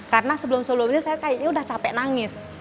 karena sebelum sebelumnya saya kayaknya udah capek nangis